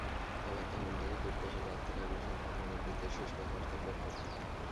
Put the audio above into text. অবাধ্য মনটাকে খুব কষে বাঁধতে লাগল সংকীর্ণ গণ্ডিতে, শুষ্ক কর্তব্যের খোঁটায়।